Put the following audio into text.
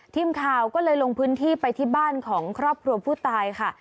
ทีมข่าวก็เลยลงพื้นที่ไปที่บ้านของครอบครัวผู้ตายค่ะ